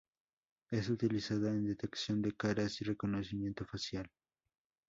Es utilizada en detección de caras y reconocimiento facial.